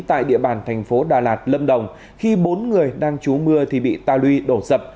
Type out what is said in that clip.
tại địa bàn tp đà lạt lâm đồng khi bốn người đang trú mưa thì bị tà luy đổ sập